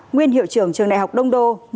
nguyên hiệu trưởng trường đại học đông đô